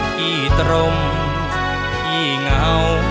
พี่ตรงพี่เหงา